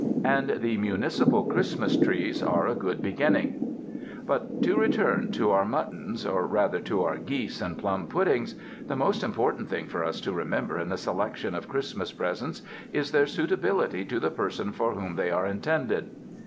And the municipal Christmas trees are a good beginning. But to return to our muttons, or, rather, to our geese and plum puddings, the most important thing for us to remember in the selection of Christmas presents is their suitability to the person for whom they are intended.